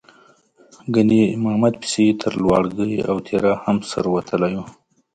ګنې امامت پسې یې تر لواړګي او تیرا هم سر وتلی و.